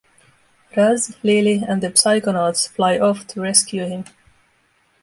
Raz, Lili, and the Psychonauts fly off to rescue him.